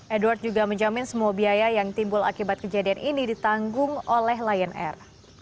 edward juga menjamin semua biaya yang timbul akibat kejadian ini ditanggung oleh lion air